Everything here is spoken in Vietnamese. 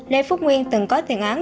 lê phúc nguyên từng có tiền án